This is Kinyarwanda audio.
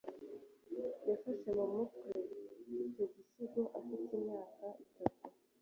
yafashe mu mutwe icyo gisigo afite imyaka itanu